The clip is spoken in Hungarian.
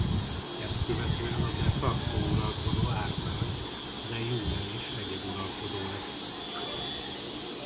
Ezt követően a de facto uralkodó Árpád de jure is egyeduralkodó lett.